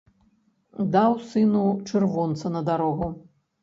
Даў сыну чырвонца на дарогу.